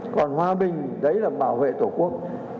còn hòa bình đấy là bảo vệ tổ quốc